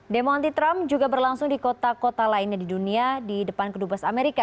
demo anti trump juga berlangsung di kota kota lainnya di dunia di depan kedubes amerika